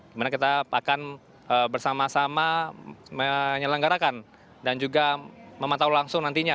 dimana kita akan bersama sama menyelenggarakan dan juga memantau langsung nantinya